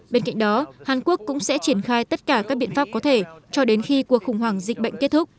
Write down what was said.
bên cạnh đó hàn quốc cũng sẽ triển khai tất cả các biện pháp có thể cho đến khi cuộc khủng hoảng dịch bệnh kết thúc